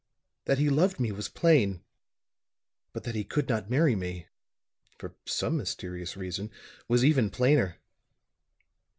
That he loved me was plain; but that he could not marry me for some mysterious reason was even plainer.